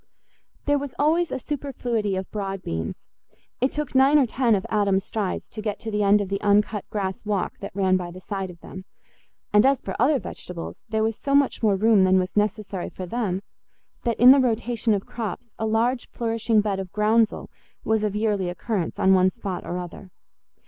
There was always a superfluity of broad beans—it took nine or ten of Adam's strides to get to the end of the uncut grass walk that ran by the side of them; and as for other vegetables, there was so much more room than was necessary for them that in the rotation of crops a large flourishing bed of groundsel was of yearly occurrence on one spot or other.